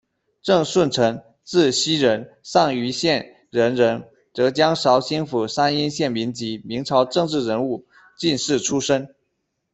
郑舜臣，字希仁，上虞县人人，浙江绍兴府山阴县民籍，明朝政治人物、进士出身。